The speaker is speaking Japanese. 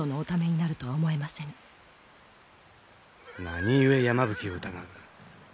何故山吹を疑う？